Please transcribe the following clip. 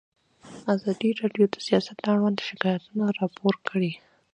ازادي راډیو د سیاست اړوند شکایتونه راپور کړي.